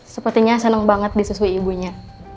sepertinya senang banget disusui ibunya